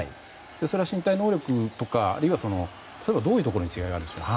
それは身体能力とかどういうところに違いがあるんでしょうか。